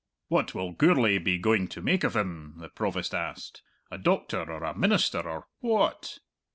"What will Gourlay be going to make of him?" the Provost asked. "A doctor or a minister or wha at?"